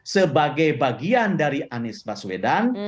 sebagai bagian dari anies baswedan